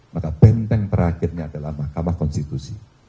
maka benteng terakhirnya adalah mahkamah konstitusi